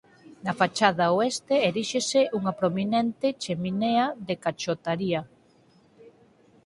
Na fachada oeste eríxese unha prominente cheminea de cachotaría.